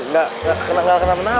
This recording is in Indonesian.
gak kena apa apa